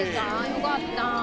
よかった。